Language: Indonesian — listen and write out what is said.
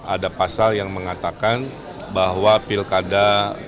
ada pasal yang mengatakan bahwa pilkada